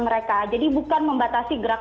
mereka jadi bukan membatasi gerak